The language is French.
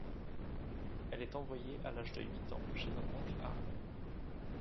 Elle est envoyée à l'âge de huit ans chez un oncle à Harlem.